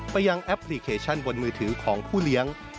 ยังแอปพลิเคชันบนมือถือของผู้เลี้ยง